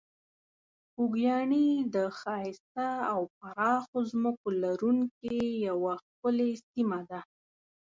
خوږیاڼي د ښایسته او پراخو ځمکو لرونکې یوه ښکلې سیمه ده.